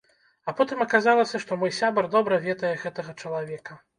А потым аказалася, што мой сябар добра ведае гэтага чалавека.